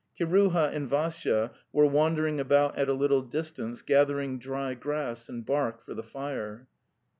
. Kiruha and Vassya were wandering about at a little distance gathering dry grass and bark for the fire.